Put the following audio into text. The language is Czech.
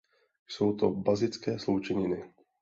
Jsou to bazické sloučeniny.